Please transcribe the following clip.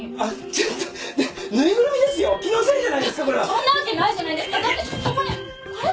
そんなわけないじゃないですかだってそこにあれ？